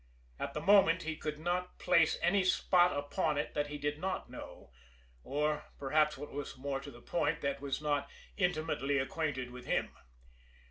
At the moment, he could not place any spot upon it that he did not know, or, perhaps what was more to the point, that was not intimately acquainted with him.